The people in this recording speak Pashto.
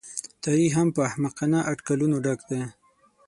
تاریخ هم په احمقانه اټکلونو ډک دی.